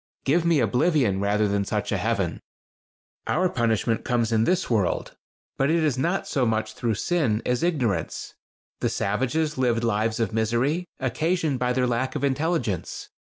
Give me oblivion rather than such a heaven. "Our punishment comes in this world; but it is not so much through sin as ignorance. The savages lived lives of misery, occasioned by their lack of intelligence.